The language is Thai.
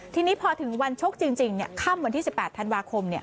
ทีนี้พอถึงวันชกจริงค่ำวันที่๑๘ธันวาคม